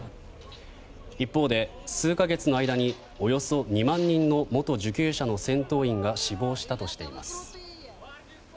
一方で、数か月の間におよそ２万人の元受刑者の戦闘員が死亡したとしています。